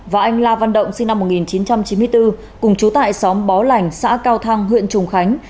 và anh la văn động sinh năm một nghìn chín trăm chín mươi bốn cùng chú tại xóm bó lành xã cao thang huyện trùng khánh